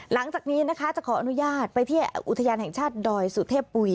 หลังจากนี้นะคะจะขออนุญาตไปที่อุทยานแห่งชาติดอยสุเทพปุ๋ย